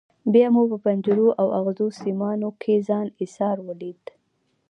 بیا مو په پنجرو او ازغنو سیمانو کې ځان ایسار ولید.